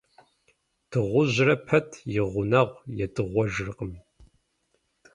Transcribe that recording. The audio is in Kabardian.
Дыгъужьырэ пэт и гъунэгъу едыгъуэжыркъым.